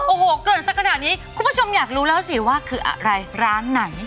โอ้โหเกริ่นสักขนาดนี้คุณผู้ชมอยากรู้แล้วสิว่าคืออะไรร้านไหน